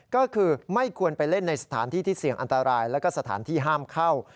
ก็คือไม่ควรไปเล่นในสถานที่ที่เสี่ยงอันตรายแล้วก็สถานที่ห้ามเข้า